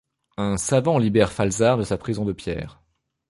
Un savant libère Falzar de sa prison de pierre.